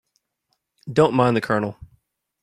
Don't mind the Colonel.